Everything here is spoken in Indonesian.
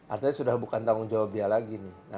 artinya sudah bukan tanggung jawab dia lagi nih